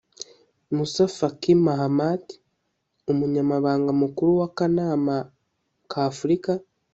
Moussa faki mahamati umunyamabanga mukuru w akanama k afurika